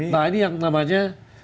nah ini yang namanya